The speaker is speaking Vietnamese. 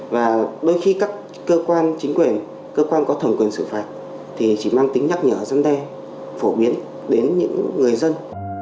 và đôi khi các cơ quan chính quyền cơ quan có thẩm quyền xử phạt thì chỉ mang tính nhắc nhở dân đe phổ biến đến những người dân